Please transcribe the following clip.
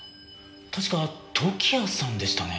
確か時矢さんでしたね？